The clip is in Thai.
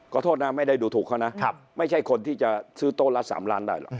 ขอโทษนะไม่ได้ดูถูกเขานะไม่ใช่คนที่จะซื้อโต๊ะละ๓ล้านได้หรอก